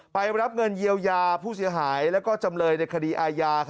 ไปรับเงินเยียวยาผู้เสียหายและจำเลยในคดีอาญา